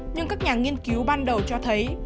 nhưng các nhà nghiên cứu ban đầu cho thấy